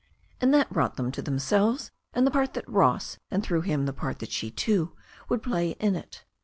And that brought them to themselves and the part that Ross, and through him the part that she, too, would play in it.